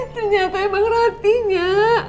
ternyata emang ratinya